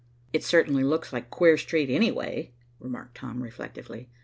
"It certainly looks like queer street, anyway," remarked Tom reflectively.